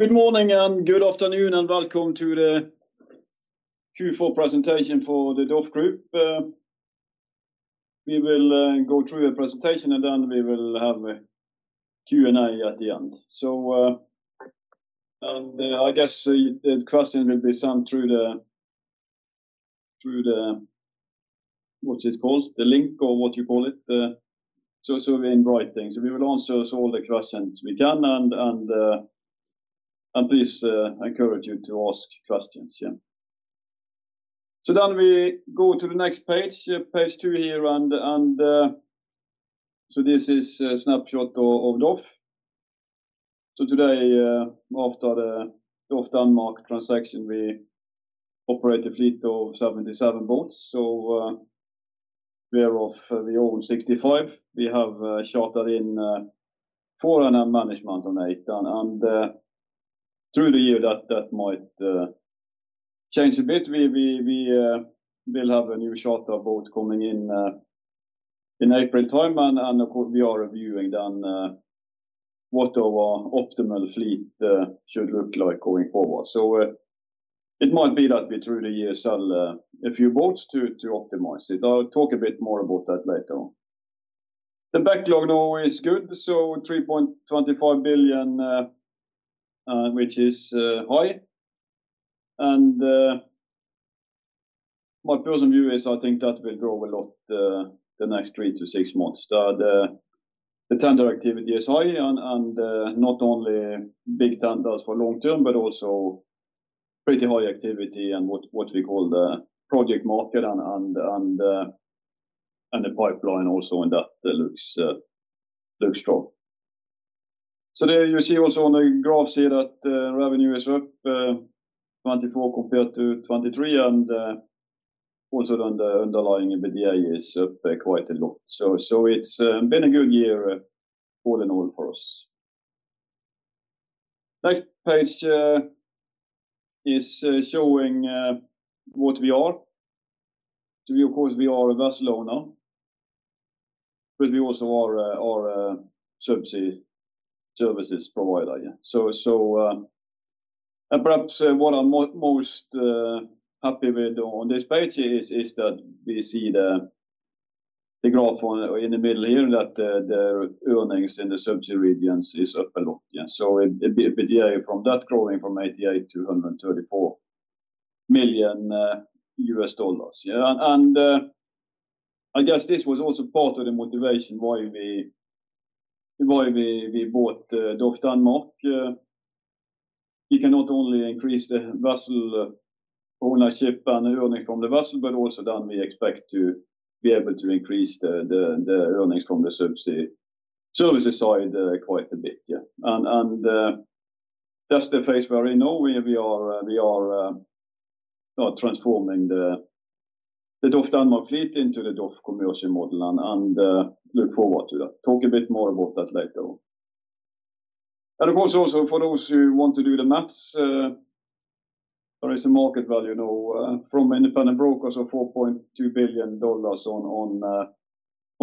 Good morning and good afternoon, and welcome to the Q4 presentation for the DOF Group. We will go through the presentation, and then we will have a Q&A at the end. I guess the questions will be sent through the what's it called, the link or what you call it. So we're in writing. We will answer all the questions we can, and please encourage you to ask questions. Then we go to the next page, page two here, and so this is a snapshot of DOF. Today, after the DOF Denmark transaction, we operate a fleet of 77 boats. We own 65. We have chartered in four and a management on eight, and through the year that might change a bit. We will have a new charter boat coming in April time, and we are reviewing then what our optimal fleet should look like going forward. It might be that we truly sell a few boats to optimize it. I'll talk a bit more about that later. The backlog now is good. So $3.25 billion, which is high. My personal view is I think that will grow a lot the next three to six months. The tender activity is high, and not only big tenders for long-term, but also pretty high activity in what we call the project market and the pipeline also in that looks strong. So there you see also on the graph side that revenue is up 2024 compared to 2023, and also the underlying EBITDA is up quite a lot. It's been a good year all in all for us. Next page is showing what we are. We, of course, are a vessel owner because we also are a subsea services provider. And perhaps what I'm most happy with on this page is that we see the graph in the middle here that the earnings in the subsea regions is up a lot. It's growing from $88 million-$134 million. And I guess this was also part of the motivation why we bought DOF Denmark. We can not only increase the vessel ownership and earning from the vessel, but also then we expect to be able to increase the earnings from the subsea services side quite a bit. And that's the phase where we know we are transforming the DOF Denmark fleet into the DOF commercial model and look forward to that. Talk a bit more about that later. And of course, also for those who want to do the math, there is a market value now, from independent brokers of $4.2 billion on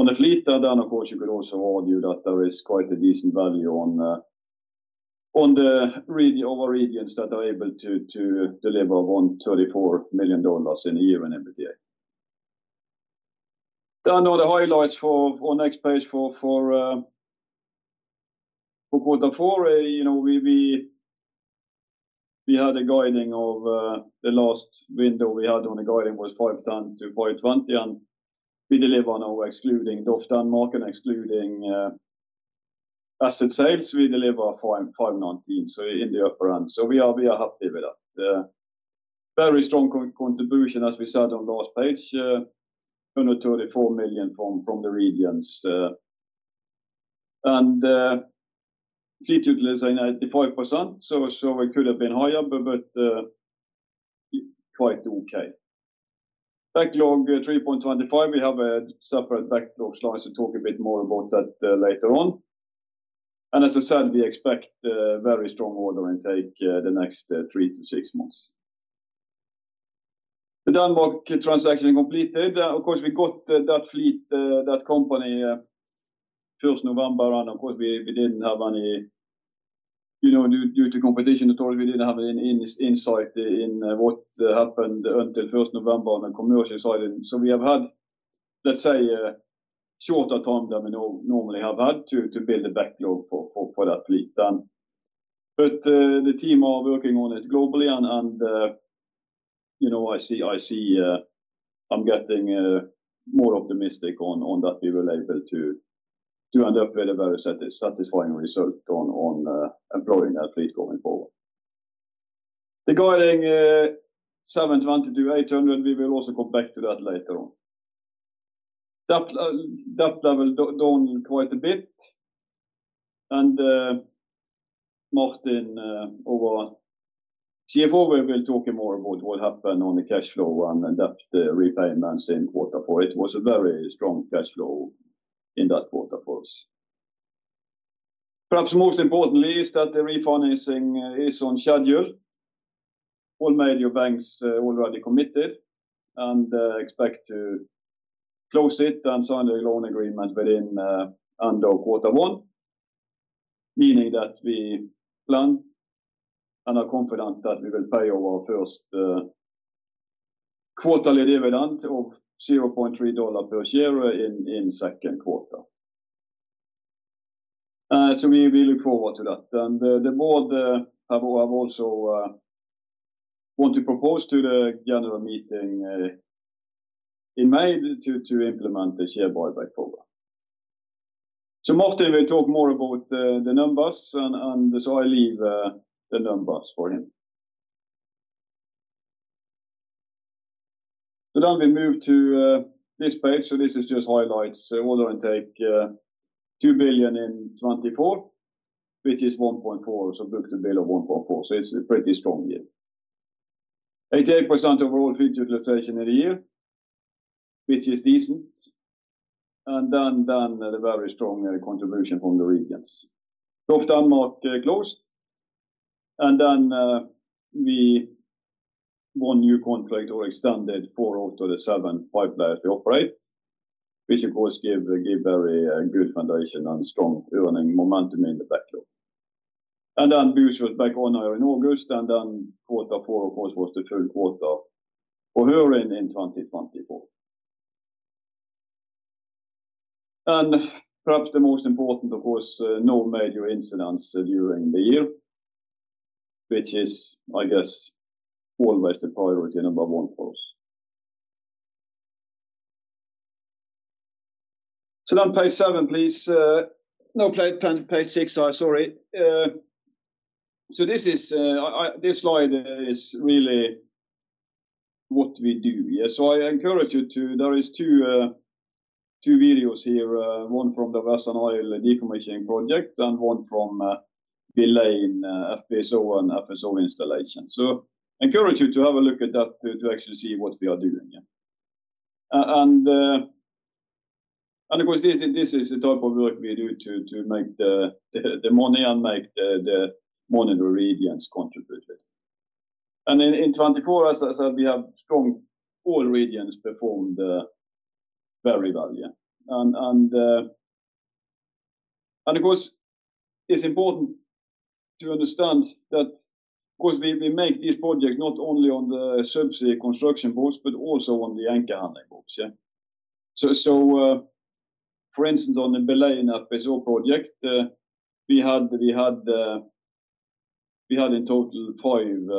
the fleet. And of course, you could also argue that there is quite a decent value on the region of our regions that are able to deliver around $34 million in a year in EBITDA. Then the highlights for next page for quarter four, you know, we had a guiding of, the last window we had on the guiding was $510-$520, and we deliver now excluding DOF Denmark and excluding asset sales. We deliver $519. So, in the upper end, we are happy with that. Very strong contribution as we said on last page, $134 million from the regions, and fleet utilization is 85%. It could have been higher, but quite okay. Backlog $3.25 billion. We have a separate backlog slide to talk a bit more about that later on. And as I said, we expect a very strong order intake the next three to six months. The Denmark transaction completed. Of course, we got that fleet, that company first November, and of course, we didn't have any, you know, due to competition, we didn't have any insight into what happened until first November on the commercial side. And so we have had, let's say, a shorter time than we normally have had to build a backlog for that fleet then. But the team are working on it globally, and you know, I see I'm getting more optimistic on that we were able to end up with a very satisfying result on employing that fleet going forward. The guiding 720-800, we will also come back to that later on. Debt level down quite a bit. And Martin, our CFO, we will talk more about what happened on the cash flow and the repayments in quarter four. It was a very strong cash flow in that quarter for us. Perhaps most importantly is that the refinancing is on schedule. All major banks already committed and expect to close it and sign a loan agreement by end of quarter one, meaning that we plan and are confident that we will pay our first quarterly dividend of $0.3 per share in second quarter. We look forward to that. The board have also wanted to propose to the general meeting in May to implement the share buyback program. Martin will talk more about the numbers, and I'll leave the numbers for him. Then we move to this page. This is just highlights: order intake $2 billion in 2024, which is 1.4. Book-to-bill of 1.4. It's a pretty strong year. 88% overall fleet utilization in a year, which is decent. Then the very strong contribution from the regions. DOF Denmark closed. We won new contract or extended four out of the seven pipelines we operate, which of course give very good foundation and strong earnings momentum in the backlog. And then Búzios was back on hire in August, and then quarter four, of course, was the full quarter for hire in 2024. And perhaps the most important, of course, no major incidents during the year, which is, I guess, always the priority number one for us. So then page seven, please. No, page six, I'm sorry. So this is. This slide is really what we do. Yeah. So I encourage you to. There is two videos here, one from the Western Isles decommissioning project and one from Baleine FPSO and FSO installation. So I encourage you to have a look at that to actually see what we are doing. Yeah. And of course, this is the type of work we do to make the money and make the money the regions contribute with. In 2024, as I said, we have strong all regions performed very well. Yeah. And of course, it's important to understand that, of course, we make this project not only on the subsea construction boats, but also on the anchor handling boats. Yeah. So for instance, on the Baleine FPSO project, we had in total five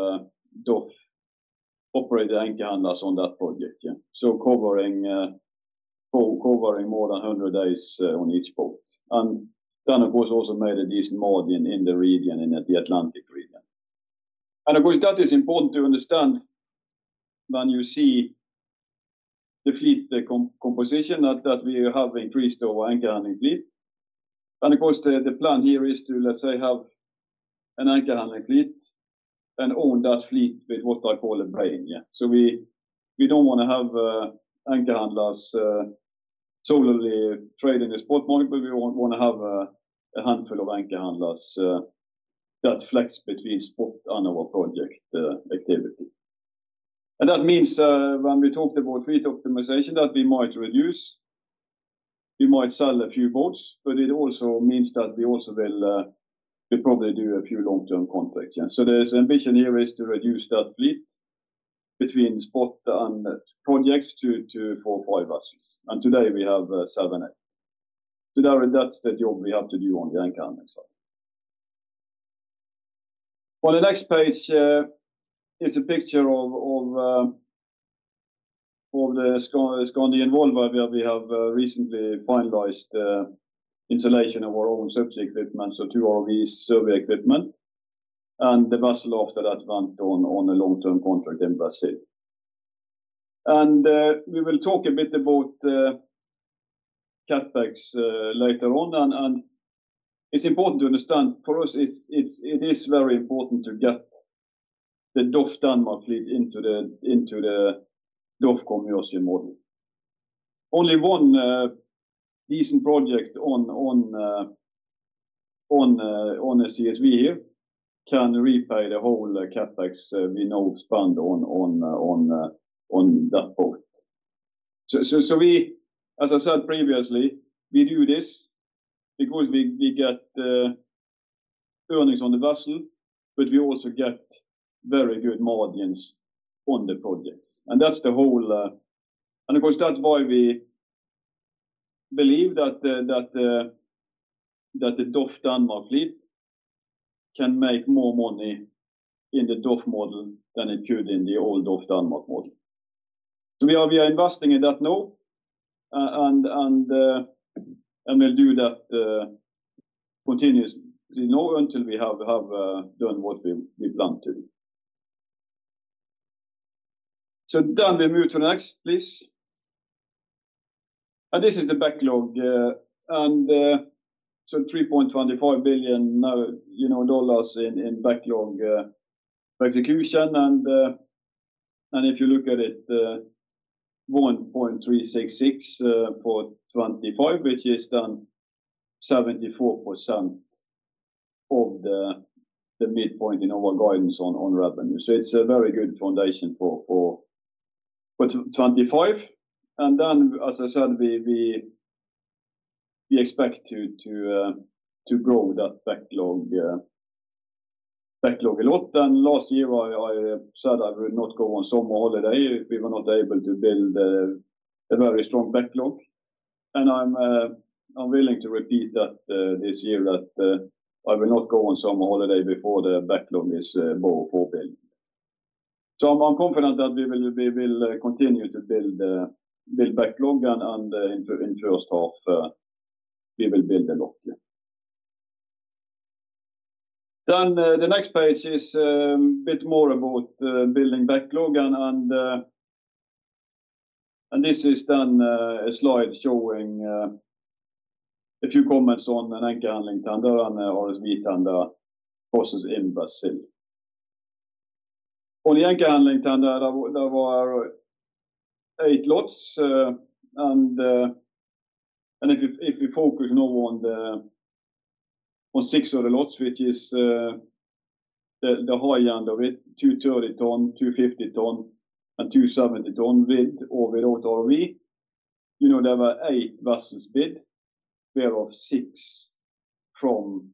DOF operator anchor handlers on that project. Yeah. So covering more than 100 days on each boat. And then of course also made a decent margin in the region, in the Atlantic region. And of course that is important to understand when you see the fleet composition that we have increased our anchor handling fleet. And of course the plan here is to, let's say, have an anchor handling fleet and own that fleet with what I call a brain. Yeah. So we don't wanna have anchor handlers solely trading the spot market, but we wanna have a handful of anchor handlers that flex between spot and our project activity. And that means, when we talked about fleet optimization, that we might reduce. We might sell a few boats, but it also means that we also will probably do a few long-term contracts. Yeah. So the ambition here is to reduce that fleet between spot and projects to four, five vessels. And today we have seven, eight. So that's the job we have to do on the anchor handling side. On the next page is a picture of the Skandi Involver where we have recently finalized installation of our own subsea equipment. So two ROVs, survey equipment, and the vessel after that went on a long-term contract in Brazil. We will talk a bit about CapEx later on. It's important to understand for us. It is very important to get the DOF Denmark fleet into the DOF commercial model. Only one decent project on a CSV here can repay the whole CapEx we now spend on that boat. As I said previously, we do this because we get earnings on the vessel, but we also get very good margins on the projects. That's the whole, and of course that's why we believe that the DOF Denmark fleet can make more money in the DOF model than it could in the old DOF Denmark model. We are investing in that now. We'll do that continuously now until we have done what we plan to do. We move to the next please. This is the backlog. $3.25 billion now, you know, dollars in backlog execution. If you look at it, 1.366 for 2025, which is then 74% of the midpoint in our guidance on revenue. It's a very good foundation for 2025. As I said, we expect to grow that backlog a lot. Last year I said I will not go on summer holiday. We were not able to build a very strong backlog. I'm willing to repeat that this year that I will not go on summer holiday before the backlog is built. So I'm confident that we will continue to build backlog and in first half, we will build a lot. Yeah. Then the next page is a bit more about building backlog. And this is then a slide showing a few comments on an anchor handling tender and RSV tender in Brazil. On the anchor handling tender, there were eight lots. And if you focus now on the six other lots, which is the high end of it, 230-ton, 250-ton, and 270-ton bollard pull AHTS, you know, there were eight vessels bid whereof six from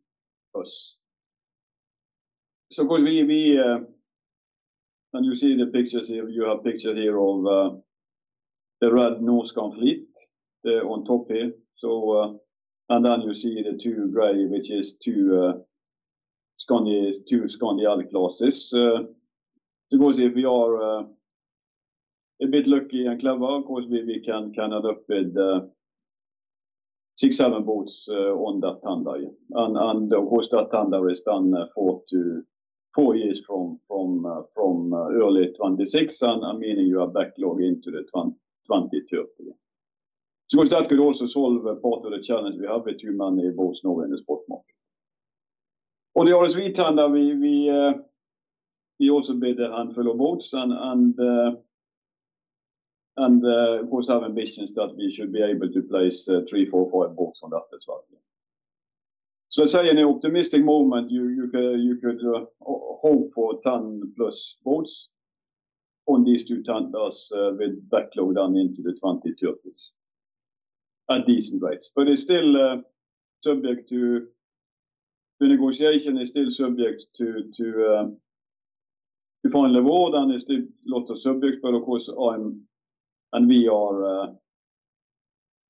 us. So of course we and you see the pictures here of the red Norskan fleet on top here. So and then you see the two gray, which is two Skandis, two Skandi classes. So of course if we are a bit lucky and clever, of course we can end up with six, seven boats on that tender. Yeah. And of course that tender is then four to four years from early 2026, and meaning you have backlog into the 2030. So of course that could also solve part of the challenge we have between both Norway and the Spot Market. On the RSV tender, we also bid a handful of boats and of course have ambitions that we should be able to place three, four, five boats on that as well. So I say in an optimistic moment, you could hope for 10 plus boats on these two tenders with backlog then into the 2030s at decent rates. But it's still subject to. The negotiation is still subject to final wording, and it's still a lot of subjects. But of course I'm and we are,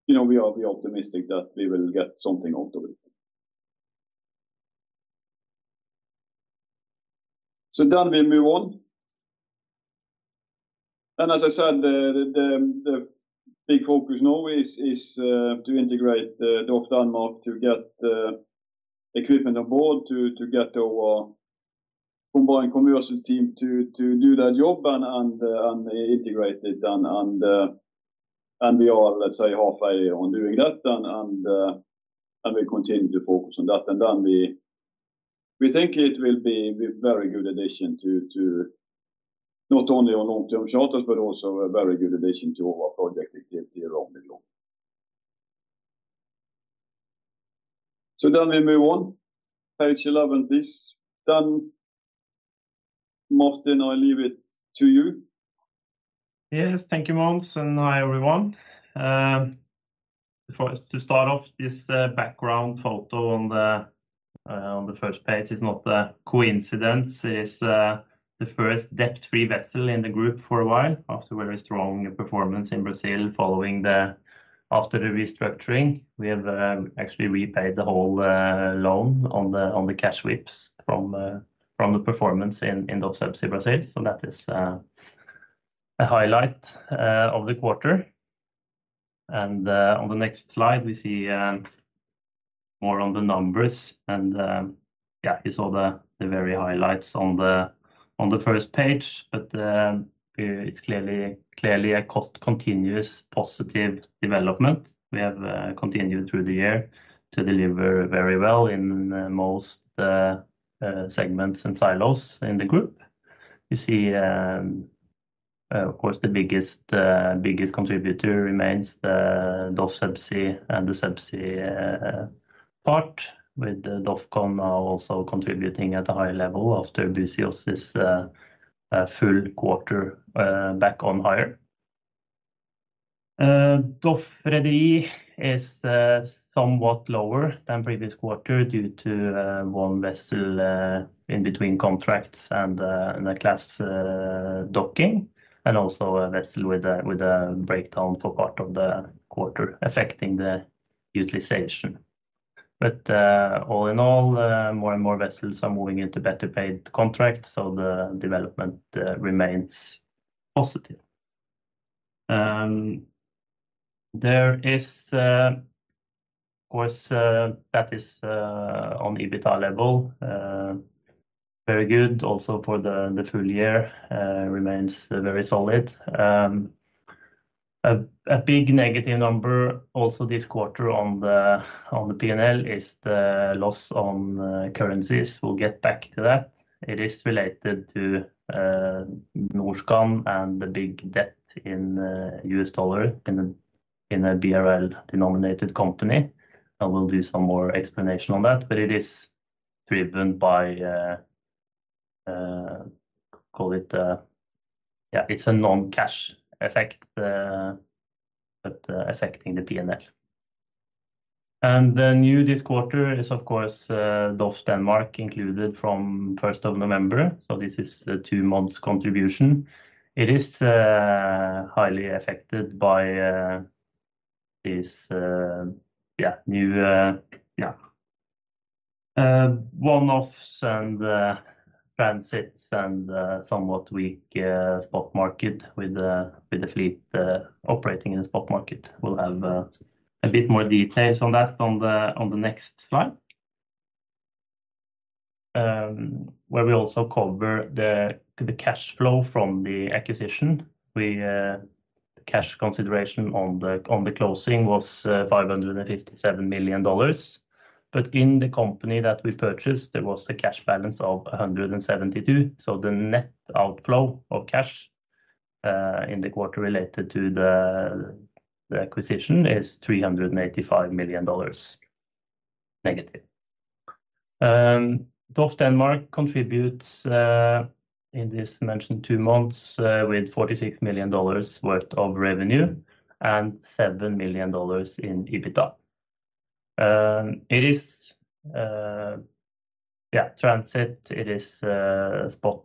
you know, we are optimistic that we will get something out of it. So then we move on. And as I said, the big focus now is to integrate the DOF Denmark, to get equipment on board, to get our combined commercial team to do that job and integrate it. And we are, let's say, halfway on doing that, and we continue to focus on that. And then we think it will be a very good addition to not only long-term charters, but also a very good addition to our project activity around the globe. So then we move on. Page 11, please. Then Martin, I leave it to you. Yes. Thank you, Mons and hi everyone. Before to start off this, the background photo on the first page is not a coincidence. It's the first debt-free vessel in the group for a while after very strong performance in Brazil following the restructuring. We have actually repaid the whole loan on the cash flows from the performance in DOF Subsea Brazil. So that is a highlight of the quarter. On the next slide we see more on the numbers and yeah, you saw the very highlights on the first page, but it's clearly a continuous positive development. We have continued through the year to deliver very well in most segments and silos in the group. You see, of course the biggest, biggest contributor remains the DOF Subsea and the Subsea part with the DOFCON now also contributing at a high level after Skandi Búzios full quarter back on hire. DOF Rederi is somewhat lower than previous quarter due to one vessel in between contracts and in a class docking and also a vessel with a breakdown for part of the quarter affecting the utilization. But all in all, more and more vessels are moving into better paid contracts. So the development remains positive. There is, of course, that is on EBIT level very good also for the full year and remains very solid. A big negative number also this quarter on the P&L is the loss on currencies. We'll get back to that. It is related to Norskan and the big debt in U.S. dollar in a BRL-denominated company. I will do some more explanation on that, but it is driven by, call it, a non-cash effect affecting the P&L. The new this quarter is, of course, DOF Denmark included from November 1. So this is a two-month contribution. It is highly affected by this new one-offs and transits and somewhat weak spot market with the fleet operating in the spot market. We'll have a bit more details on that on the next slide, where we also cover the cash flow from the acquisition. The cash consideration on the closing was $557 million. But in the company that we purchased, there was the cash balance of $172 million. So the net outflow of cash in the quarter related to the acquisition is $385 million negative. DOF Denmark contributes in this mentioned two months with $46 million worth of revenue and $7 million in EBITDA. It is, yeah, transit. It is spot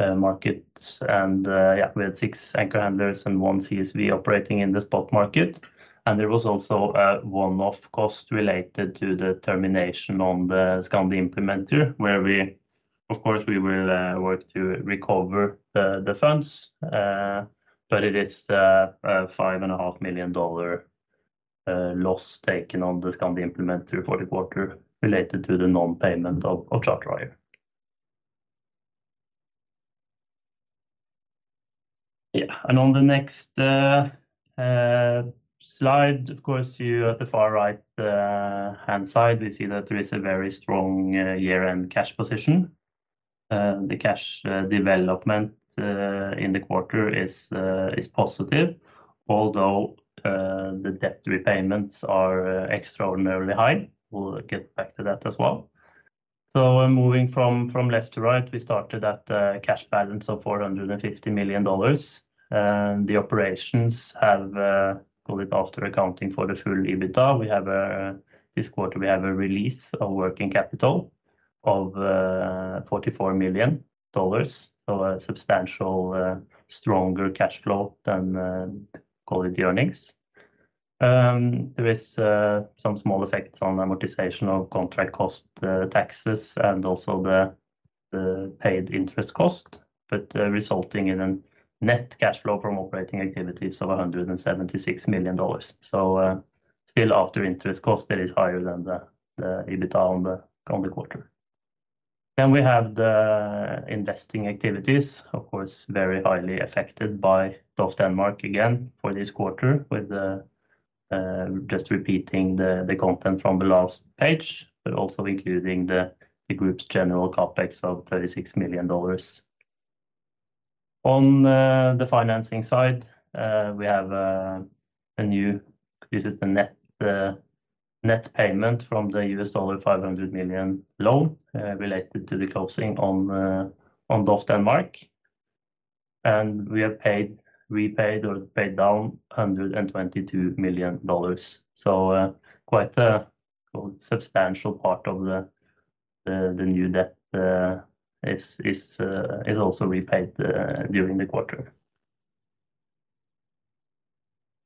markets. And yeah, we had six anchor handlers and one CSV operating in the spot market. And there was also a one-off cost related to the termination on the Skandi Implementer where we, of course, will work to recover the funds. But it is $5.5 million loss taken on the Skandi Implementer for the quarter related to the non-payment of charter hire. Yeah. And on the next slide, of course, you at the far right-hand side, we see that there is a very strong year-end cash position. The cash development in the quarter is positive, although the debt repayments are extraordinarily high. We'll get back to that as well. So moving from left to right, we started at a cash balance of $450 million. The operations have called it after accounting for the full EBITDA. This quarter, we have a release of working capital of $44 million. So a substantial stronger cash flow than quality earnings. There is some small effects on amortization of contract cost, taxes and also the paid interest cost, but resulting in a net cash flow from operating activities of $176 million. So still after interest cost, it is higher than the EBITDA on the quarter. Then we have the investing activities, of course, very highly affected by DOF Denmark again for this quarter with just repeating the content from the last page, but also including the group's general CapEx of $36 million. On the financing side, we have a new, this is the net payment from the $500 million loan, related to the closing on DOF Denmark. And we have paid, repaid or paid down $122 million. So, quite a substantial part of the new debt is also repaid during the quarter.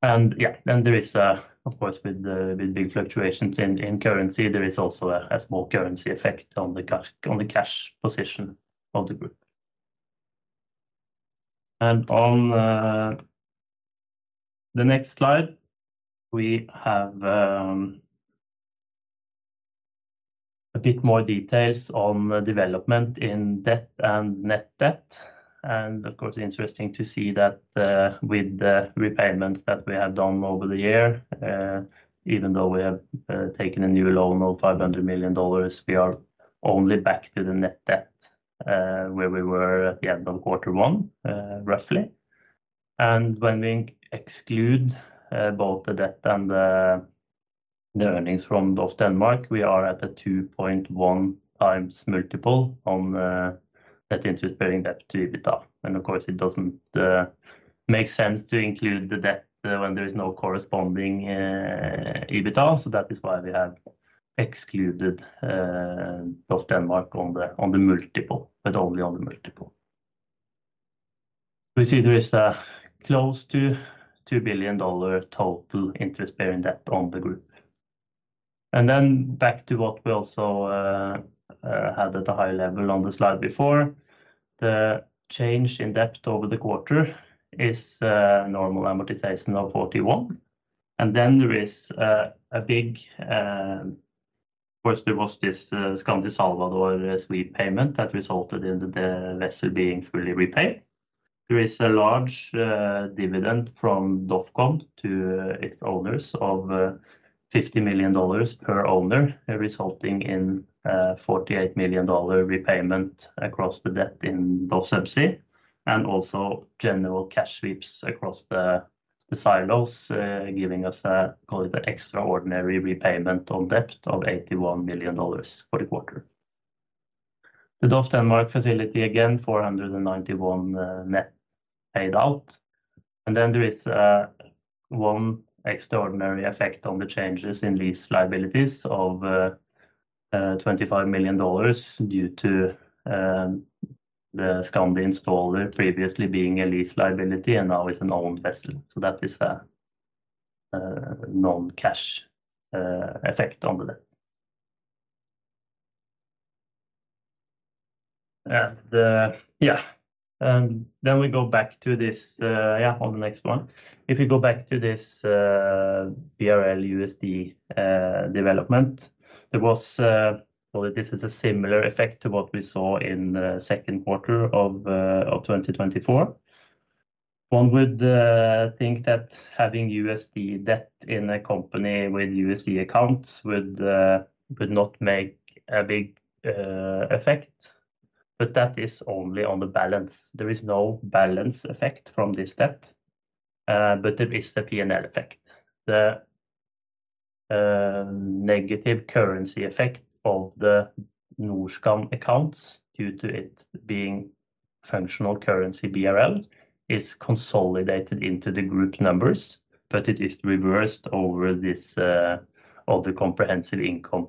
And yeah, then there is, of course with big fluctuations in currency, there is also a small currency effect on the cash position of the group. And on the next slide, we have a bit more details on development in debt and net debt. Of course, it is interesting to see that, with the repayments that we have done over the year, even though we have taken a new loan of $500 million, we are only back to the net debt where we were at the end of quarter one, roughly. When we exclude both the debt and the earnings from DOF Denmark, we are at a 2.1 times multiple on that interest-bearing debt to EBITDA. Of course, it doesn't make sense to include the debt when there is no corresponding EBITDA. That is why we have excluded DOF Denmark on the multiple, but only on the multiple. We see there is close to $2 billion total interest-bearing debt on the group. Then back to what we also had at a high level on the slide before. The change in debt over the quarter is normal amortization of $41 million. Of course there was this Skandi Salvador sweep payment that resulted in the vessel being fully repaid. There is a large dividend from DOFCON to its owners of $50 million per owner, resulting in $48 million repayment across the debt in DOF Subsea and also general cash sweeps across the silos, giving us, call it, an extraordinary repayment on debt of $81 million for the quarter. The DOF Denmark facility again $491 million net paid out. Then there is a one-off extraordinary effect on the changes in lease liabilities of $25 million due to the Skandi Installer previously being a lease liability and now an owned vessel. So that is a non-cash effect on the debt. Yeah, and then we go back to this on the next one. If we go back to this BRL USD development, there was, call it, a similar effect to what we saw in the second quarter of 2024. One would think that having USD debt in a company with USD accounts would not make a big effect, but that is only on the balance. There is no balance effect from this debt, but there is the P&L effect, the negative currency effect of the Norskan accounts due to it being functional currency BRL is consolidated into the group numbers, but it is reversed over comprehensive income.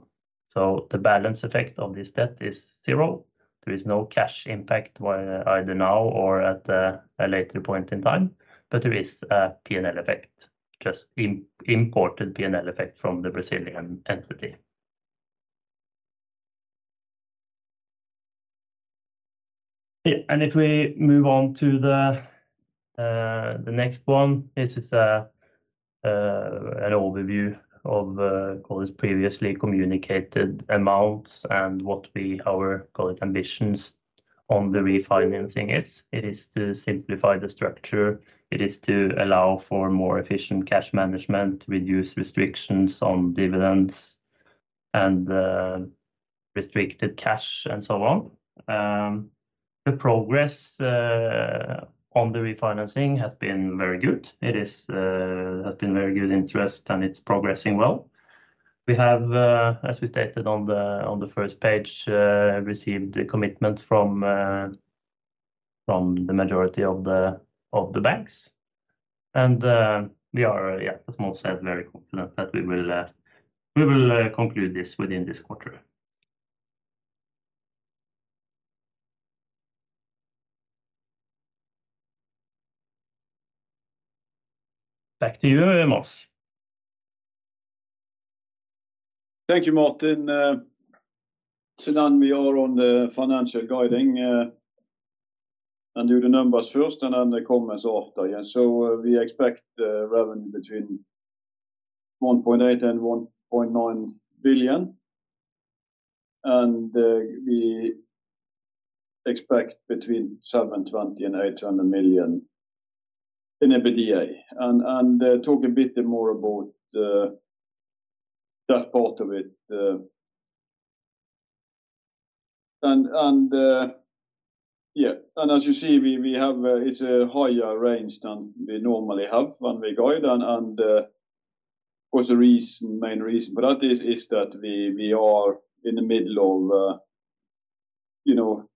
So the balance effect of this debt is zero. There is no cash impact either now or at a later point in time, but there is a P&L effect, just imported P&L effect from the Brazilian entity. Yeah, and if we move on to the next one, this is an overview of, call it, previously communicated amounts and what our, call it, ambitions on the refinancing is. It is to simplify the structure. It is to allow for more efficient cash management, reduce restrictions on dividends and restricted cash and so on. The progress on the refinancing has been very good. It has been very good interest, and it's progressing well. We have, as we stated on the first page, received the commitment from the majority of the banks, and we are, yeah, as Mons said, very confident that we will conclude this within this quarter. Back to you, Mons. Thank you, Martin. So then we are on the financial guidance, and do the numbers first and then the comments after. Yeah. We expect revenue between $1.8 billion-$1.9 billion. We expect between $720 million-$800 million in EBITDA. Talk a bit more about that part of it. Yeah. As you see, we have a higher range than we normally have when we guide. Of course, the main reason for that is that we are in the middle of you know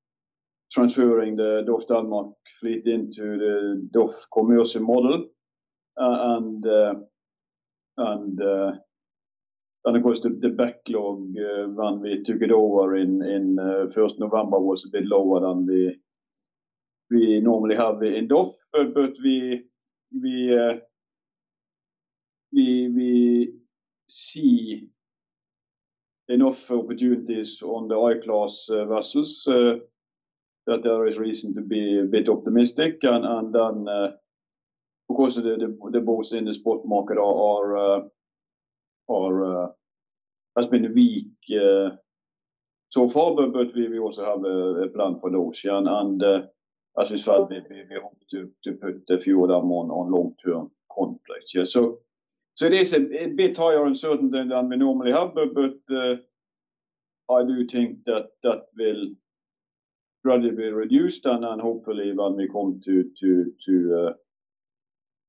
transferring the DOF Denmark fleet into the DOF commercial model. Of course, the backlog when we took it over in 1st November was a bit lower than we normally have in DOF. But we see enough opportunities on the I-class vessels that there is reason to be a bit optimistic. Then, of course, the boats in the spot market have been weak so far, but we also have a plan for those. Yeah. As we said, we hope to put the fleet on long-term contracts. Yeah. There is a bit higher uncertainty than we normally have, but I do think that will gradually be reduced. Hopefully when we come to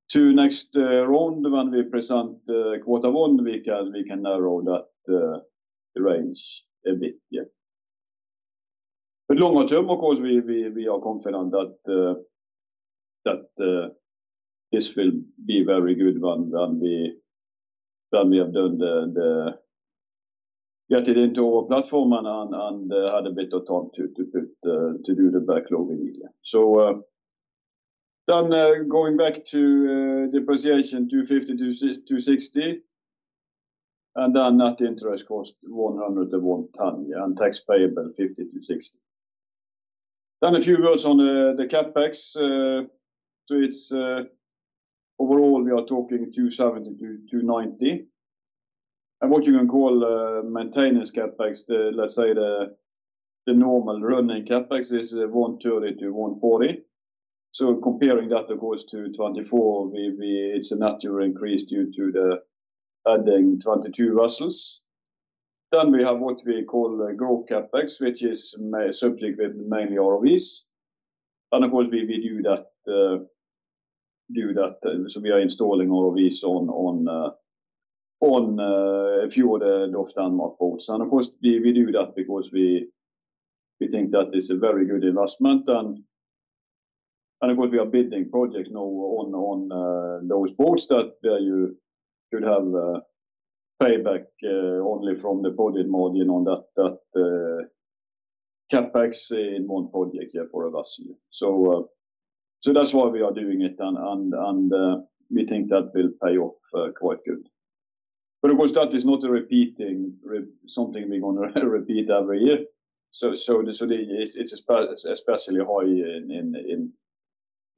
the next round, when we present quarter one, we can narrow the range a bit. Yeah. But longer term, of course, we are confident that this will be very good when we have done the getting into our platform and had a bit of time to put to do the backlog immediately. So then going back to depreciation $50-$60, and then net interest cost $100-$110, yeah, and tax payable $50-$60. Then a few words on the CapEx. So it's overall we are talking $270-$290. And what you can call maintenance CapEx, let's say the normal running CapEx is $130-$140. So comparing that, of course, to 2024, it's a natural increase due to the adding 22 vessels. Then we have what we call growth CapEx, which is subject with mainly ROVs. And of course, we do that. So we are installing ROVs on a few of the DOF Denmark boats. And of course, we do that because we think that it's a very good investment. And of course, we are building projects now on those boats that you could have payback only from the project margin on that CapEx in one project, yeah, for a vessel. So that's why we are doing it. And we think that will pay off quite good. But of course, that is not a repeating something we're going to repeat every year. So it's especially high in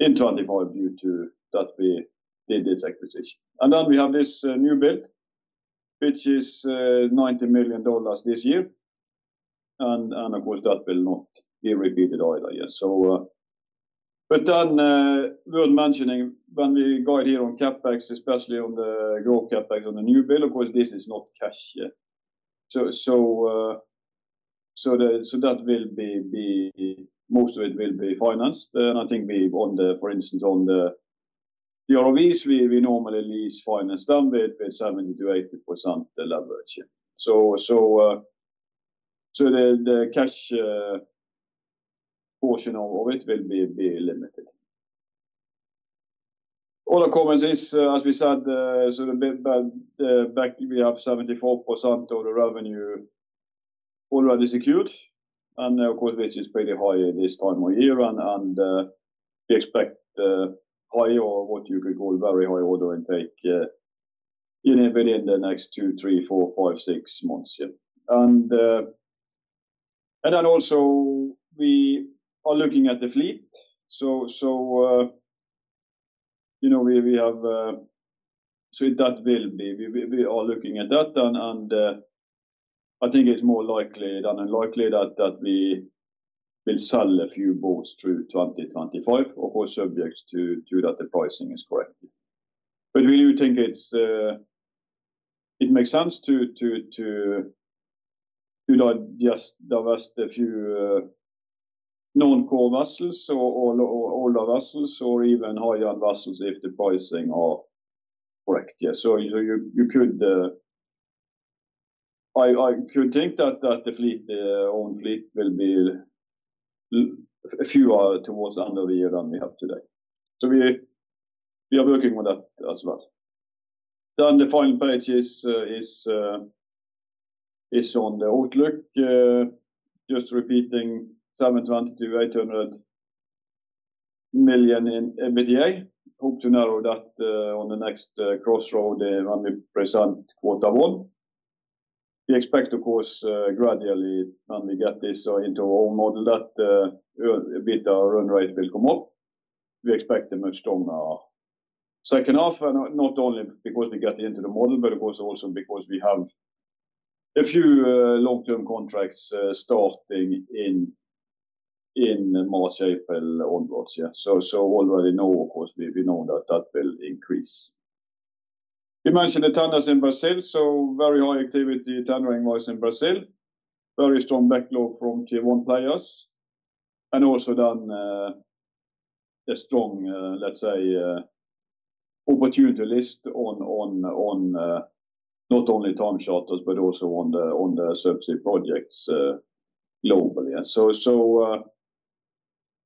2025 due to that we did its acquisition. And then we have this new build, which is $90 million this year. And of course, that will not be repeated either. Yeah. But then, worth mentioning when we guide here on CapEx, especially on the growth CapEx on the new build, of course, this is not cash. Yeah. So that will be most of it will be financed. And I think we, for instance, on the ROVs, we normally lease finance them with 70%-80% leverage. Yeah. So the cash portion of it will be limited. All our comments is, as we said, but the backlog we have 74% of the revenue already secured. And of course, which is pretty high at this time of year. And we expect high or what you could call very high-order intake within the next two, three, four, five, six months. Yeah. And then also we are looking at the fleet. You know, we are looking at that. And I think it's more likely than unlikely that we will sell a few boats through 2025, of course, subject to that the pricing is correct. But we do think it makes sense to just divest a few non-core vessels or older vessels or even higher vessels if the pricing are correct. Yeah. So you could, I could think that the fleet, the own fleet will be a few less towards the end of the year than we have today. So we are working on that as well. Then the final page is on the outlook, just repeating $720-$800 million in EBITDA. Hope to narrow that, on the next crossroad when we present quarter one. We expect, of course, gradually when we get this into our own model that, a bit of run rate will come up. We expect a much stronger second half, and not only because we get into the model, but of course also because we have a few, long-term contracts starting in March, April, onwards. Yeah. So already now, of course, we know that that will increase. We mentioned the tenders in Brazil. So very high activity tendering in Brazil. Very strong backlog from Tier 1 players. And also then, a strong, let's say, opportunity list on not only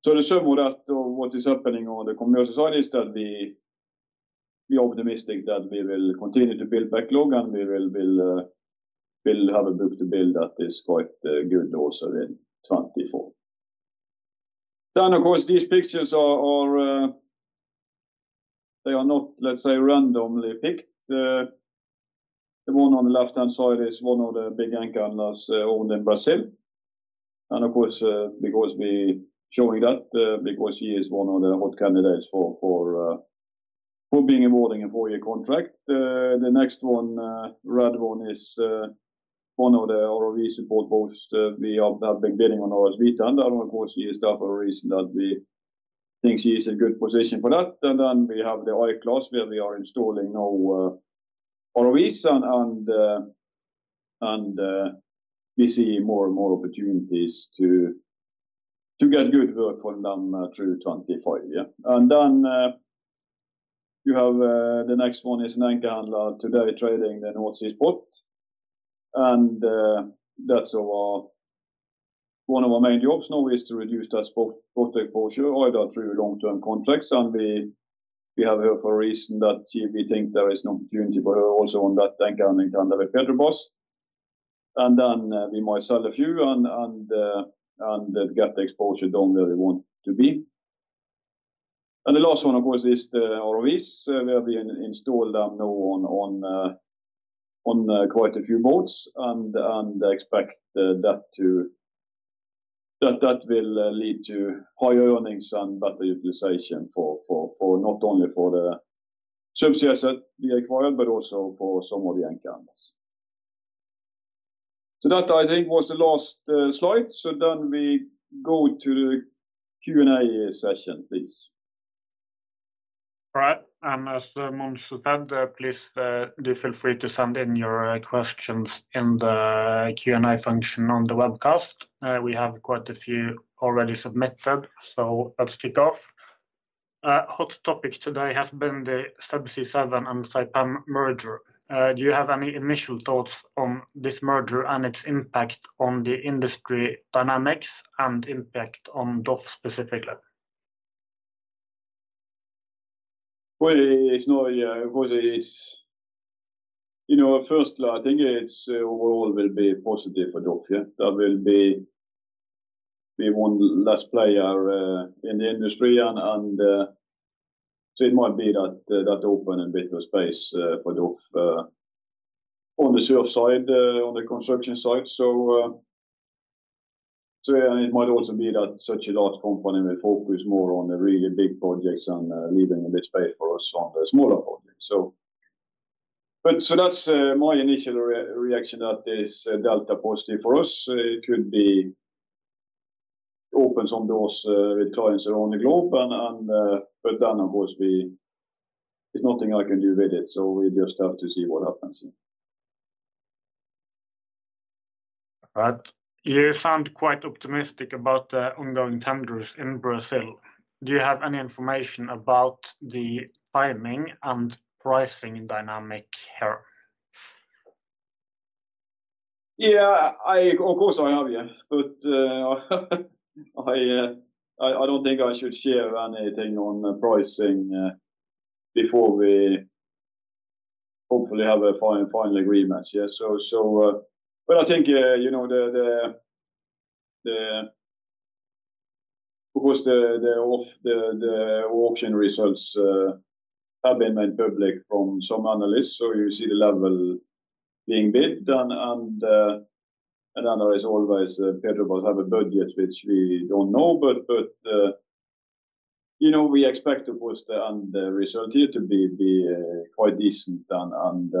time charters, but also on the subsea projects, globally. So the sum of what is happening on the commercial side is that we are optimistic that we will continue to build backlog and we will have a book-to-bill that is quite good also in 2024. Of course, these pictures are; they are not, let's say, randomly picked. The one on the left-hand side is one of the big Skandi vessels owned in Brazil. And of course, because we are showing that, because he is one of the hot candidates for being involved in a four-year contract. The next one, red one is one of the ROV support boats that we have been bidding on our sweet spot. And of course, he is there for a reason that we think he is in good position for that. And then we have the I-class where we are installing now ROVs and we see more and more opportunities to get good work for them through 25. Yeah. And then you have the next one is an anchor handler today trading the North Sea spot. And that's our one of our main jobs now is to reduce that spot exposure either through long-term contracts. And we have here for a reason that we think there is an opportunity for her also on that anchor handling and the Petrobras. And then we might sell a few and get the exposure down where we want to be. And the last one, of course, is the ROVs. We have installed them now on quite a few boats and expect that that will lead to higher earnings and better utilization for not only the subs that we acquired, but also for some of the anchors. That, I think, was the last slide. Then we go to the Q&A session, please. All right. As Mons said, please do feel free to send in your questions in the Q&A function on the webcast. We have quite a few already submitted, so let's kick off. A hot topic today has been the Subsea7 and Saipem merger. Do you have any initial thoughts on this merger and its impact on the industry dynamics and impact on DOF specifically? Well, it's, yeah, of course, it's, you know, firstly, I think it's overall will be positive for DOF. Yeah. That will be one less player in the industry. So it might be that it opens a bit of space for DOF on the SURF side, on the construction side. It might also be that such a large company will focus more on the really big projects and leaving a bit space for us on the smaller projects. That's my initial reaction that is delta positive for us. It could open some doors with clients around the globe. But then of course, it's nothing I can do with it. We just have to see what happens. All right. You sound quite optimistic about the ongoing tenders in Brazil. Do you have any information about the timing and pricing dynamic here? Yeah, of course I have, yeah. But I don't think I should share anything on pricing before we hopefully have a final agreement. Yeah. So but I think you know of course the auction results have been made public from some analysts. So you see the level being bid. And then there is always Petrobras has a budget which we don't know. But you know we expect of course the end result here to be quite decent. And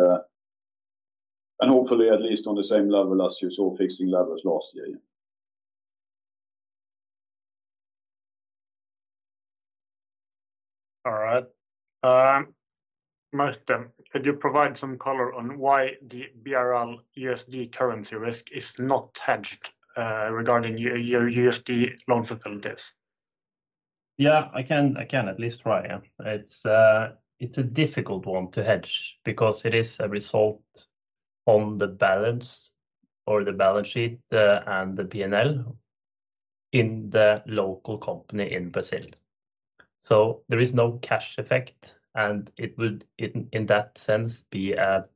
hopefully at least on the same level as you saw fixing levels last year. Yeah. All right. Martin, could you provide some color on why the BRL USD currency risk is not hedged regarding your USD loan facilities? Yeah, I can at least try. Yeah. It's a difficult one to hedge because it is a result on the balance sheet, and the P&L in the local company in Brazil. There is no cash effect. It would, in that sense, be a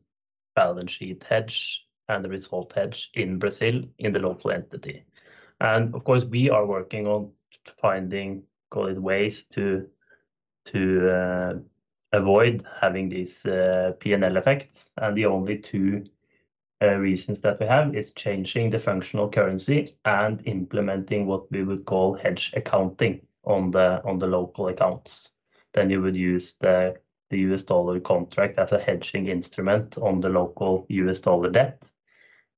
balance sheet hedge and a result hedge in Brazil in the local entity. Of course, we are working on finding, call it, ways to avoid having these P&L effects. The only two reasons that we have is changing the functional currency and implementing what we would call hedge accounting on the local accounts. You would use the U.S. dollar contract as a hedging instrument on the local U.S. dollar debt,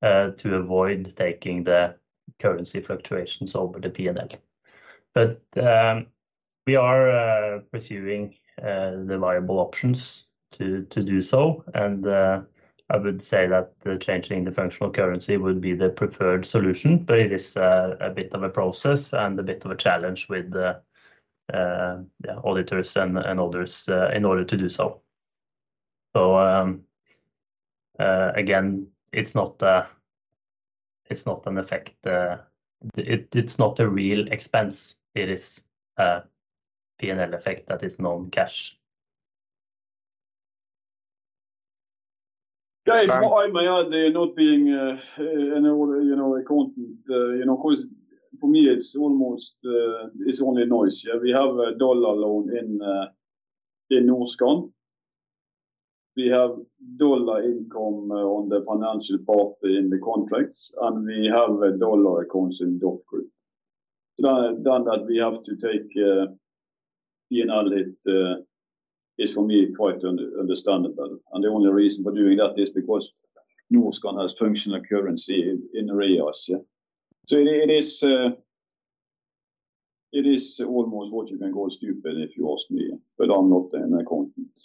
to avoid taking the currency fluctuations over the P&L. We are pursuing the viable options to do so. I would say that changing the functional currency would be the preferred solution. It is a bit of a process and a bit of a challenge with the yeah, auditors and others in order to do so. Again, it's not an effect. It is not a real expense. It is a P&L effect that is non-cash. Yeah, it's more not being an auditor, you know, accountant, you know, of course, for me, it's almost, it's only noise. Yeah. We have a dollar loan in Norskan. We have dollar income on the financing part in the contracts. We have dollar accounts in DOF Group. Then that we have to take P&L hit is for me quite understandable. The only reason for doing that is because Norskan has functional currency in the reals. Yeah. So it is almost what you can call stupid if you ask me, but I'm not an accountant.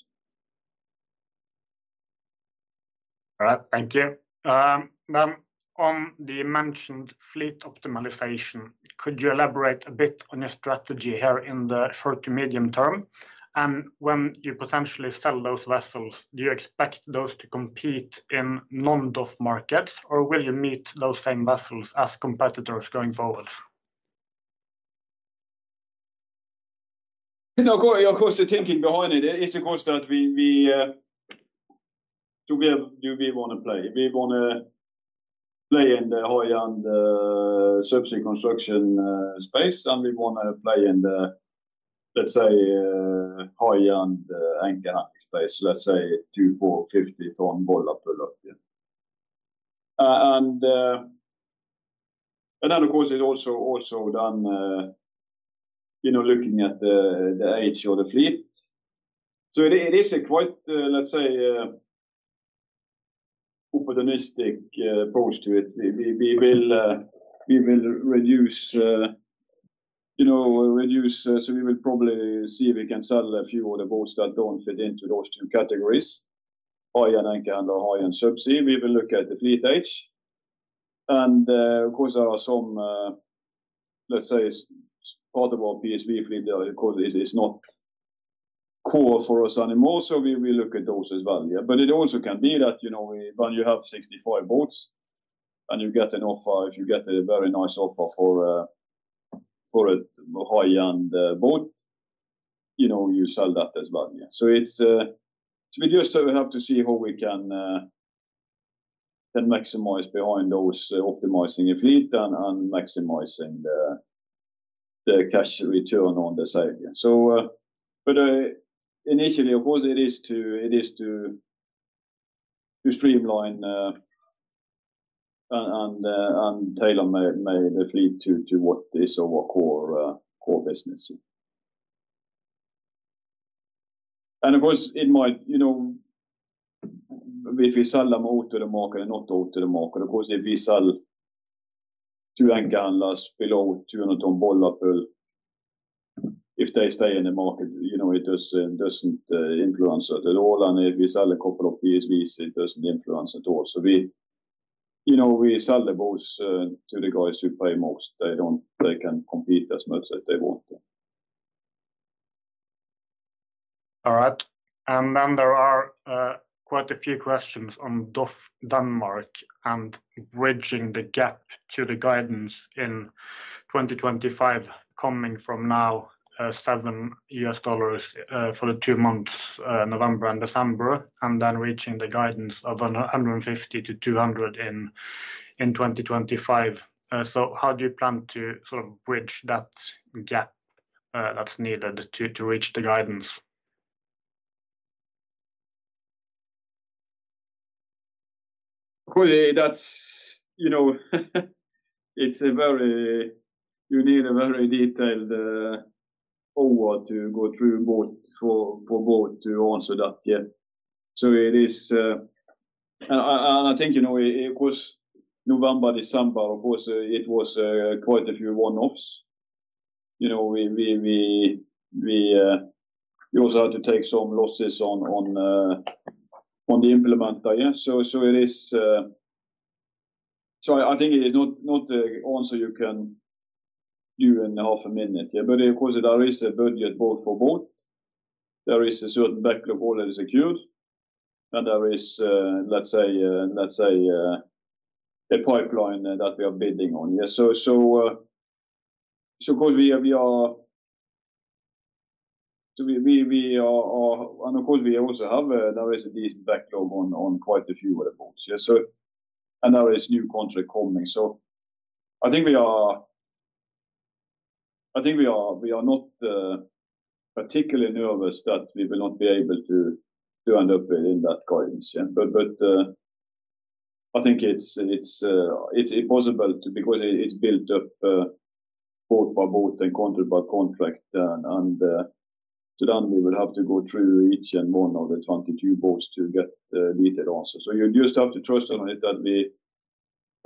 All right. Thank you. Then on the mentioned fleet optimization, could you elaborate a bit on your strategy here in the short to medium term? And when you potentially sell those vessels, do you expect those to compete in non-DOF markets or will you meet those same vessels as competitors going forward? You know, of course, the thinking behind it is, of course, that we, do we want to play? We want to play in the high-end subsea construction space and we want to play in the, let's say, high-end anchor space, let's say 24-50 ton bollard pull up. Yeah. And then of course, it's also then, you know, looking at the age of the fleet. It is a quite, let's say, opportunistic approach to it. We will reduce, you know, so we will probably see if we can sell a few other boats that don't fit into those two categories. High-end anchor and high-end subsea. We will look at the fleet age. And, of course, there are some, let's say, part of our PSV fleet that is not core for us anymore. So we will look at those as well. Yeah. But it also can be that, you know, when you have 65 boats and you get an offer, if you get a very nice offer for a high-end boat, you know, you sell that as well. Yeah. So it's, so we just have to see how we can maximize behind those optimizing a fleet and maximizing the cash return on the side. Yeah. Initially, of course, it is to streamline and tailor the fleet to what is our core business. And of course, it might, you know, if we sell them out of the market and not out of the market, of course, if we sell two anchor handlers below 200-ton bollard pull, if they stay in the market, you know, it doesn't influence it at all. And if we sell a couple of PSVs, it doesn't influence at all. We, you know, sell the boats to the guys who pay most. They don't. They can compete as much as they want. All right. And then there are quite a few questions on DOF Denmark and bridging the gap to the guidance in 2025 coming from now $7 for the two months, November and December, and then reaching the guidance of $150-$200 in 2025. So how do you plan to sort of bridge that gap that's needed to reach the guidance? Of course that's, you know, it's a very, you need a very detailed forward to go through both for both to answer that. Yeah. So it is, and I think, you know, it was November, December. Of course it was quite a few one-offs. You know, we also had to take some losses on the implementer. Yeah. So it is, so I think it is not the answer you can do in half a minute. Yeah. But of course, there is a budget both for both. There is a certain backlog already secured. And there is, let's say, a pipeline that we are bidding on. Yeah. So of course, we are, and of course, we also have there is a decent backlog on quite a few other boats. Yeah. So and there is new contract coming. So I think we are not particularly nervous that we will not be able to end up within that guidance. Yeah. But I think it's impossible to, because it's built up, boat by boat and contract by contract. And so then we will have to go through each and one of the 22 boats to get a detailed answer. So you just have to trust on it that we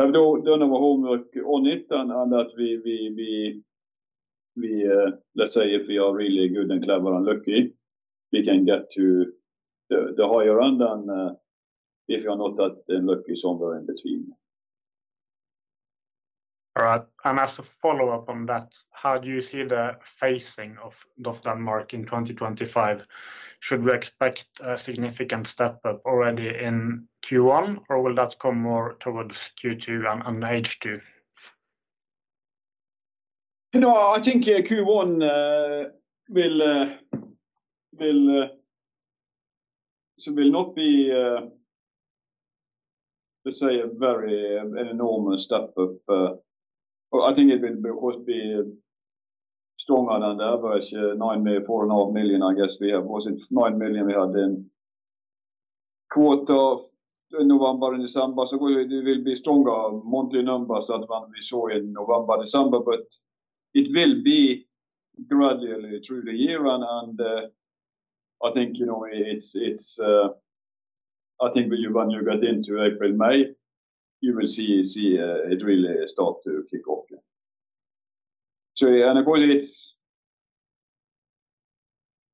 have done our homework on it. And that we, let's say if we are really good and clever and lucky, we can get to the higher end than, if you are not that unlucky somewhere in between. All right. And as a follow-up on that, how do you see the phasing of DOF Denmark in 2025? Should we expect a significant step up already in Q1, or will that come more towards Q2 and H2? You know, I think Q1 will not be, let's say a very enormous step up. I think it will, of course, be stronger than the average $9 million, $4.5 million, I guess we have. Was it $9 million we had in quarter of November and December. So of course, it will be stronger monthly numbers than when we saw in November, December, but it will be gradually through the year. And I think, you know, it's when you get into April, May, you will see it really start to kick off. Yeah.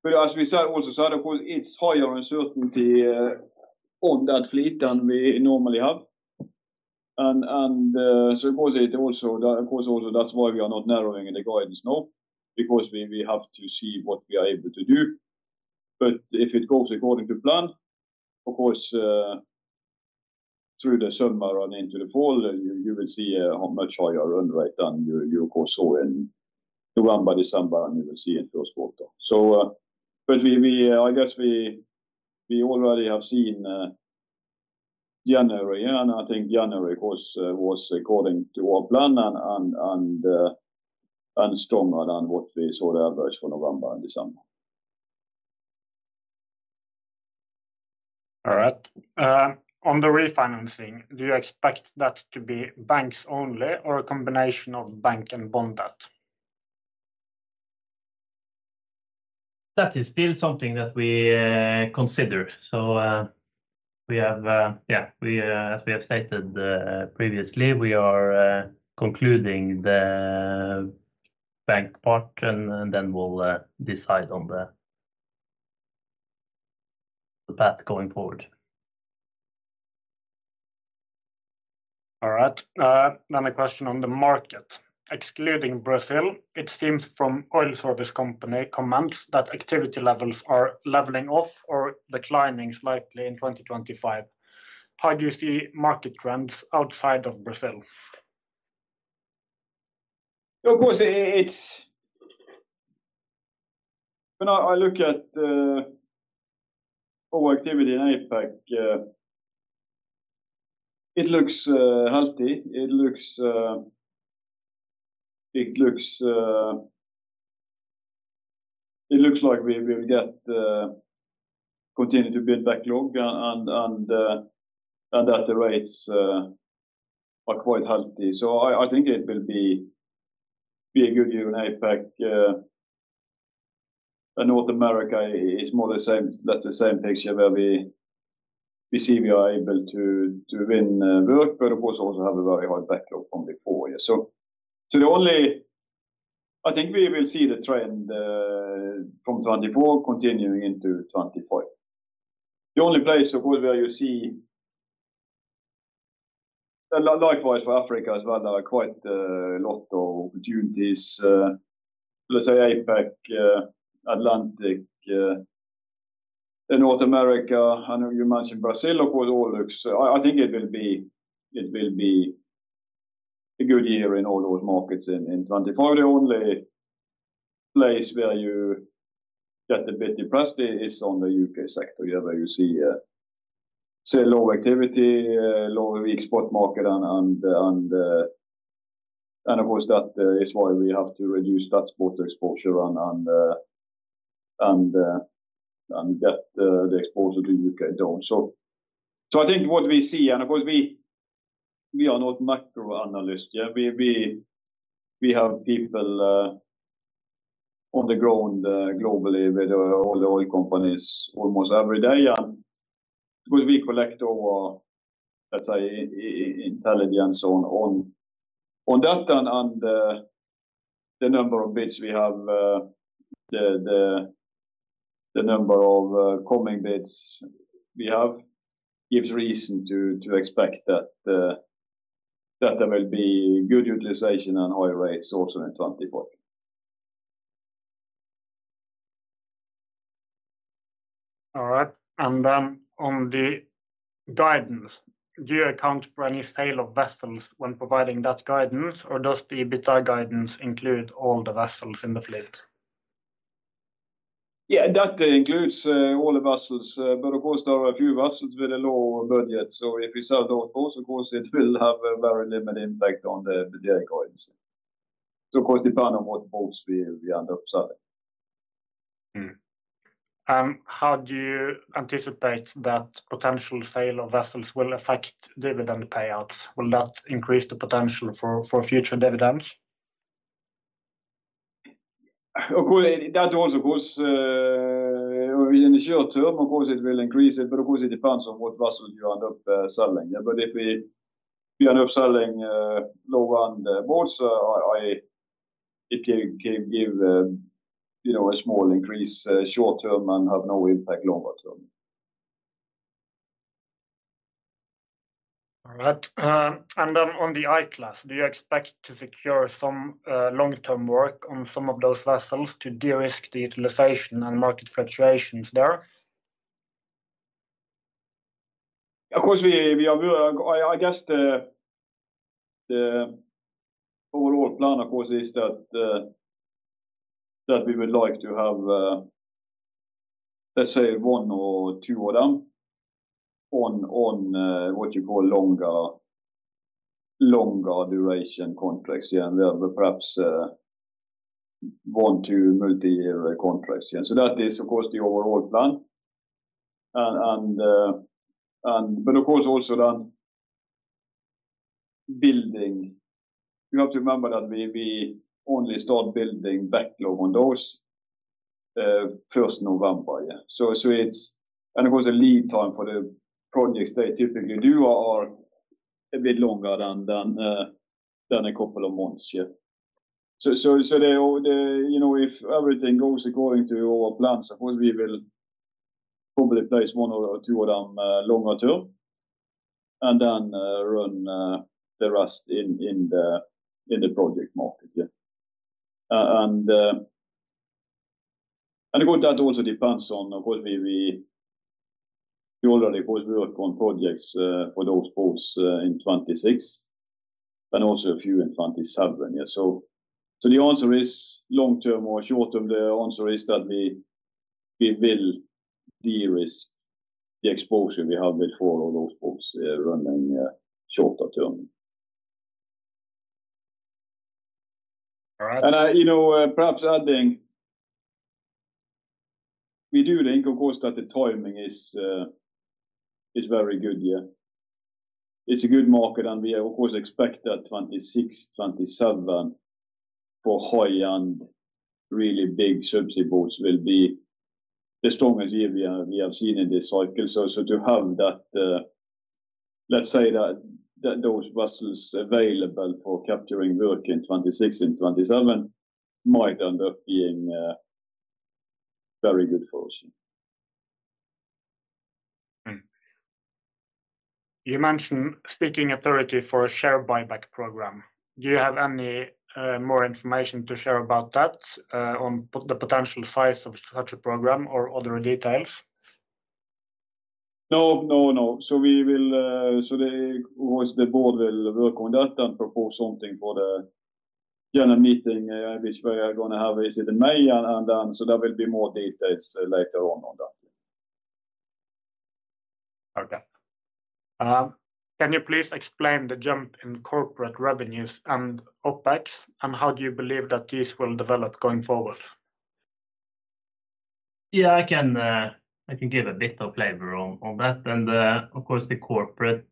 But as we said also, so of course, it's higher uncertainty on that fleet than we normally have. And so of course, that's why we are not narrowing the guidance now, because we have to see what we are able to do. But if it goes according to plan, of course, through the summer and into the fall, you will see a much higher run rate than you of course saw in November, December, and you will see in first quarter. So, but I guess we already have seen January and I think January of course was according to our plan and stronger than what we saw the average for November and December. All right. On the refinancing, do you expect that to be banks only or a combination of bank and bond debt? That is still something that we consider. So, we have, yeah, as we have stated previously, we are concluding the bank part and then we'll decide on the path going forward. All right. Then a question on the market. Excluding Brazil, it seems from oil service company comments that activity levels are leveling off or declining slightly in 2025. How do you see market trends outside of Brazil? Of course, it's when I look at our activity in APAC. It looks healthy. It looks like we will continue to build backlog and that the rates are quite healthy. So I think it will be a good year in APAC. North America is more the same. That's the same picture where we see we are able to win work, but of course also have a very high backlog from before. Yeah. So I think we will see the trend from 2024 continuing into 2025. The only place, of course, where you see, likewise for Africa as well, there are quite a lot of opportunities, let's say APAC, Atlantic, and North America. I know you mentioned Brazil, of course. All looks. I think it will be a good year in all those markets in 2025. The only place where you get a bit depressed is on the U.K. sector, where you see such low activity, low, weak spot market and of course that is why we have to reduce that spot exposure and get the exposure to U.K. down. So I think what we see, and of course we are not macro analysts. Yeah. We have people on the ground, globally with all the oil companies almost every day. And of course we collect all our, let's say, intelligence on that and the number of bids we have, the number of coming bids we have gives reason to expect that there will be good utilization and high rates also in 2025. All right. And then on the guidance, do you account for any sale of vessels when providing that guidance, or does the EBITDA guidance include all the vessels in the fleet? Yeah, that includes all the vessels, but of course there are a few vessels with a low budget. So if we sell those boats, of course it will have a very limited impact on the EBITDA guidance. So of course depending on what boats we end up selling. And how do you anticipate that potential sale of vessels will affect dividend payouts? Will that increase the potential for future dividends? Of course, that also of course, in the short term, of course it will increase it, but of course it depends on what vessels you end up selling. Yeah. But if we end up selling low-end boats, it can give you know a small increase short-term and have no impact longer-term. All right. And then on the I-class, do you expect to secure some long-term work on some of those vessels to de-risk the utilization and market fluctuations there? Of course we have I guess the overall plan of course is that we would like to have let's say one or two of them on what you call longer duration contracts. Yeah. And we have perhaps one to multi-year contracts. Yeah. So that is of course the overall plan. And but of course also then building. You have to remember that we only start building backlog on those first November. Yeah. So it's, and of course the lead time for the projects they typically do are a bit longer than a couple of months. Yeah. So the, you know, if everything goes according to our plans, of course we will probably place one or two of them longer term and then run the rest in the project market. Yeah. And of course that also depends on of course we already of course work on projects for those boats in 2026 and also a few in 2027. Yeah. So the answer is long term or short term, the answer is that we will de-risk the exposure we have before all those boats running shorter term. All right. And I, you know, perhaps adding we do think of course that the timing is very good. Yeah. It's a good market and we of course expect that 2026, 2027 for high-end really big subsea boats will be the strongest year we have seen in this cycle. So to have that, let's say, those vessels available for capturing work in 2026 and 2027 might end up being very good for us. You mentioned seeking authority for a share buyback program. Do you have any more information to share about that, on the potential size of such a program or other details? No. So the board will, of course, work on that and propose something for the general meeting which we are going to have in May, and then there will be more details later on that. Okay. Can you please explain the jump in corporate revenues and OpEx and how do you believe that these will develop going forward? Yeah, I can. I can give a bit of flavor on that. And, of course, the corporate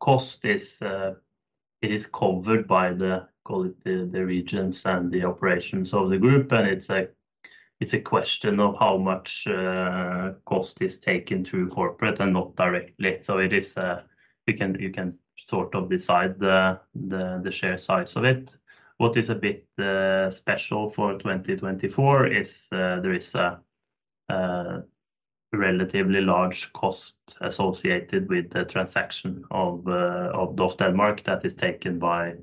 cost is. It is covered by call it the regions and the operations of the group. And it's a question of how much cost is taken through corporate and not directly. So it is. You can sort of decide the share size of it. What is a bit special for 2024 is there is a relatively large cost associated with the transaction of DOF Denmark that is taken by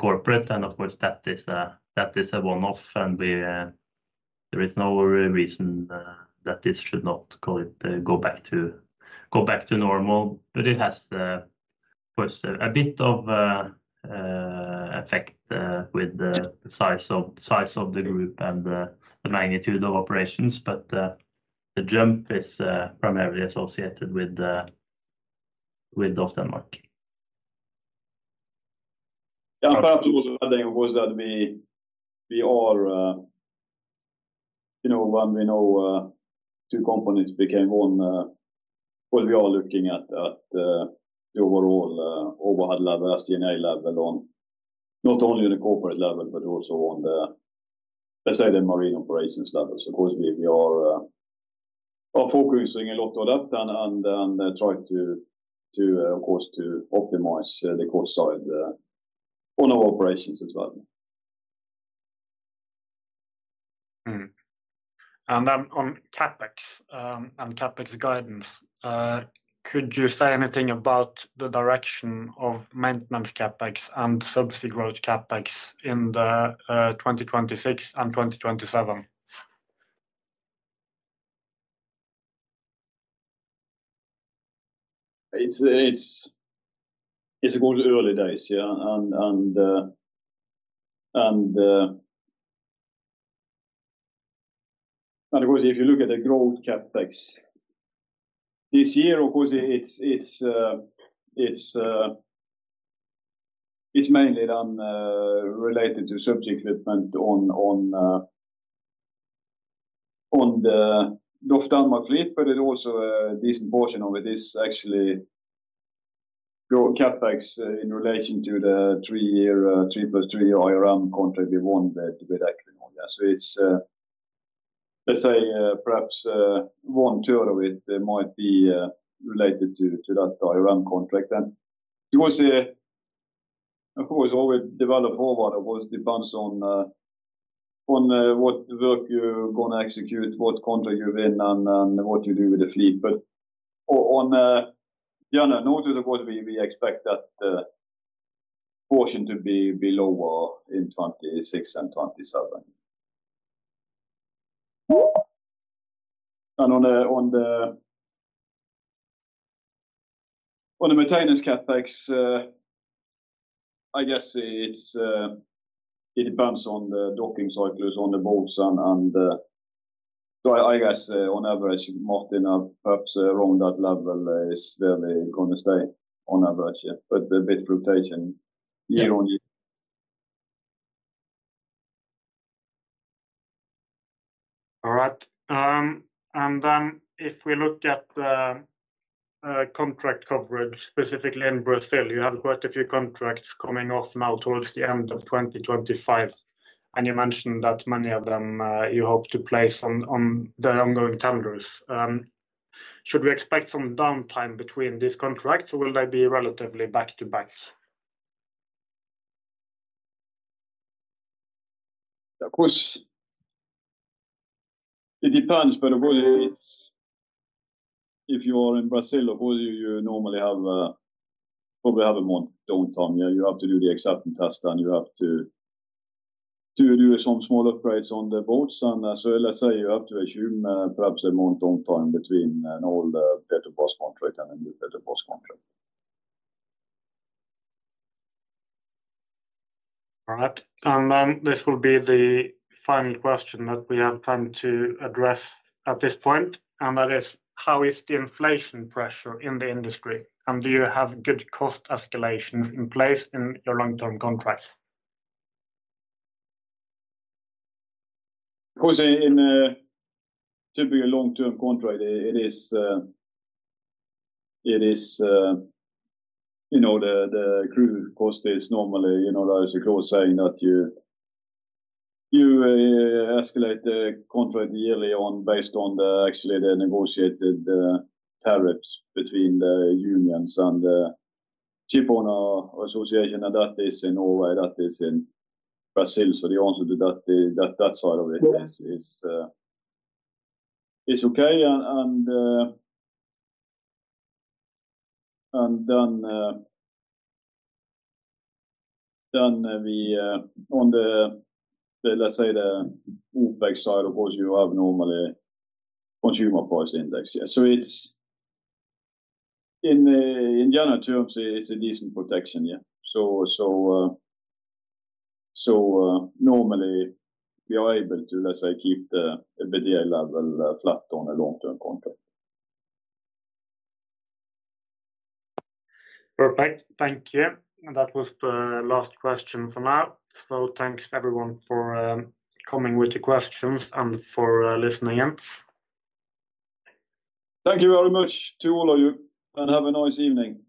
corporate. And of course that is a one-off and there is no reason that this should not call it go back to normal. But it has, of course, a bit of effect with the size of the group and the magnitude of operations. But the jump is primarily associated with DOF Denmark. Yeah. And perhaps also adding, of course, that we are, you know, when two companies became one, of course we are looking at the overall overhead level and all levels, not only on the corporate level, but also on the, let's say, the marine operations level. So of course we are focusing a lot on that and try to, of course, optimize the cost side on our operations as well. And then on CapEx and CapEx guidance, could you say anything about the direction of maintenance CapEx and subsea growth CapEx in 2026 and 2027? It's of course early days. Yeah. Of course if you look at the growth CapEx this year, of course it's mainly related to subsea equipment on the DOF Denmark fleet, but it also, a decent portion of it is actually growth CapEx in relation to the three-year, three plus three year IRM contract we won with Equinor. Yeah. So it's, let's say, perhaps, one third of it might be related to that IRM contract. Of course all we develop forward of course depends on what work you're going to execute, what contract you've won, and what you do with the fleet. But on general note of course we expect that portion to be lower in 2026 and 2027. And on the maintenance CapEx, I guess it's it depends on the docking cycles on the boats, and so I guess on average, Martin, perhaps around that level is where we're going to stay on average. Yeah. But a bit fluctuation year on year. All right. Then, if we look at contract coverage specifically in Brazil, you have quite a few contracts coming off now towards the end of 2025, and you mentioned that many of them, you hope to place on the ongoing calendars. Should we expect some downtime between these contracts, or will they be relatively back-to-back? Of course it depends, but of course it's if you are in Brazil, of course you normally have probably a month downtime. Yeah. You have to do the acceptance test and you have to do some small upgrades on the boats. And so let's say you have to assume perhaps a month downtime between an older better pass contract and a new better pass contract. All right. And then this will be the final question that we have time to address at this point, and that is how is the inflation pressure in the industry, and do you have good cost escalation in place in your long-term contracts? Of course in typically a long-term contract, it is you know the crew cost is normally you know there is a clause saying that you escalate the contract yearly based on the actual negotiated tariffs between the unions and the shipowners' association, and that is in Norway, that is in Brazil. So the answer to that side of it is okay. And then we, on the, let's say the OpEx side, of course you have normally consumer price index. Yeah. So it's in general terms, it's a decent protection. Yeah. So normally we are able to, let's say, keep the boutique level flat on a long-term contract. Perfect. Thank you. And that was the last question for now. So thanks everyone for coming with your questions and for listening in. Thank you very much to all of you and have a nice evening.